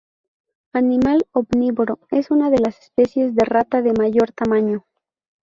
Animal omnívoro, es una de las especies de rata de mayor tamaño.